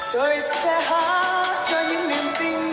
chỉ sẵn sàng nơi